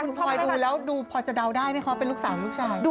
คุณพลอยดูแล้วดูพอจะเดาได้ไหมคะเป็นลูกสาวลูกชาย